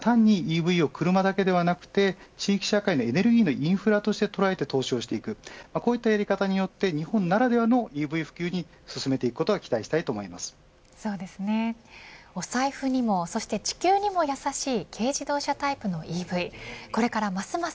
単にＥＶを車だけではなくて地域社会のエネルギーのインフラとして捉えて登場していくこういったやり方によって日本ならではのＥＶ普及に進めていくことをお財布にもそして地球にもやさしい軽自動車タイプのＥＶ。